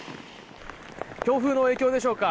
強風の影響でしょうか。